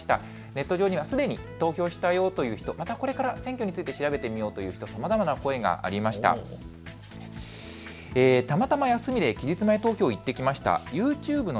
ネット上にはすでに投票したよという人、またこれから選挙について調べてみようという人さまざまな声がありました。